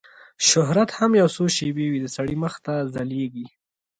شهرت هم یو څو شېبې وي د سړي مخ ته ځلیږي